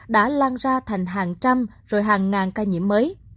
đã lan ra thành hàng trăm rồi hàng ngàn ca nhiễm mới